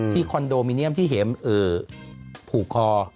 คอนโดมิเนียมที่เห็มผูกคอ